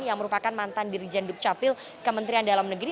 yang merupakan mantan dirjen dukcapil kementerian dalam negeri